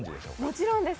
もちろんです。